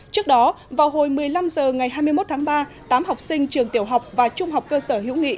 trước đó vào hồi một mươi năm h ngày hai mươi một tháng ba tám học sinh trường tiểu học và trung học cơ sở hữu nghị